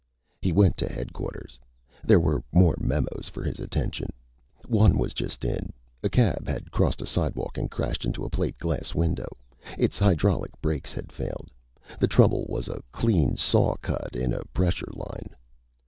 He went to Headquarters. There were more memos for his attention. One was just in. A cab had crossed a sidewalk and crashed into a plate glass window. Its hydraulic brakes had failed. The trouble was a clean saw cut in a pressure line.